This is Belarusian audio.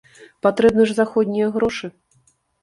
Патрэбны ж заходнія грошы.